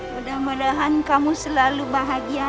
mudah mudahan kamu selalu bahagia